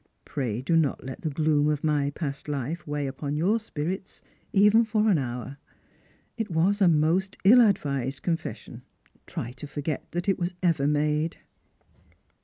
Pray do not let the gloom of my past life weigh upon your spirits even for an hour. It was a most ill advised confession. Try to forget that it was ever made."